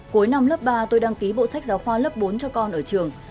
cuối năm lớp ba tôi đăng ký bộ sách giáo khoa lớp bốn cho con ở trường